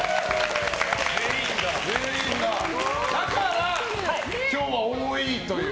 だから今日は多いという。